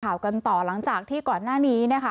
ข่าวกันต่อหลังจากที่ก่อนหน้านี้นะคะ